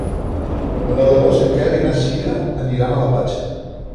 El deu d'agost en Quer i na Cira aniran a la platja.